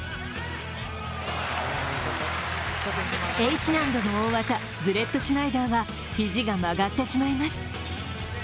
Ｈ難度の大技・ブレットシュナイダーは肘が曲がってしまいます。